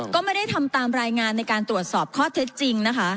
ก็ไม่ได้ทำตามรายงานในการตรวจสอบข้อเท็จจริงนะคะ